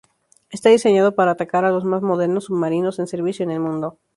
Está diseñado para atacar a los más modernos submarinos en servicio en el mundo.